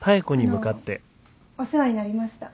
あのお世話になりました。